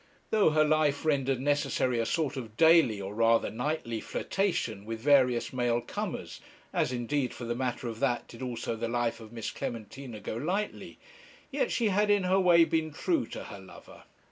Though her life rendered necessary a sort of daily or rather nightly flirtation with various male comers as indeed, for the matter of that, did also the life of Miss Clementina Golightly yet she had in her way been true to her lover.